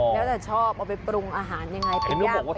แล้วแต่ชอบเอาไปปรุงอาหารยังไงเป็นย่าง